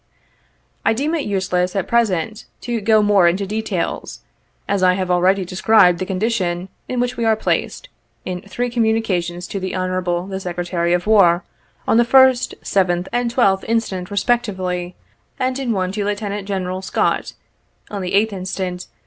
I deem it useless at present, to go more into details, as I have already described the condition in which we are placed, in three communications to the Hon. the Secretary of War, on the 1st, 7th and 12th inst. respectively, and in one to Lieutenant General Scott, on the 8th inst.